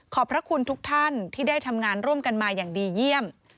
พระคุณทุกท่านที่ได้ทำงานร่วมกันมาอย่างดีเยี่ยม